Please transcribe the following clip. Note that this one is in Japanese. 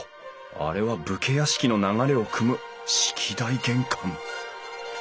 あれは武家屋敷の流れをくむ式台玄関。